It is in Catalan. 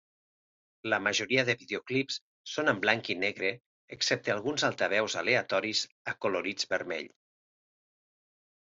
La majoria de videoclips són en blanc i negre excepte alguns altaveus aleatoris acolorits vermell.